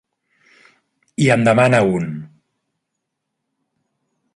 I en demana un.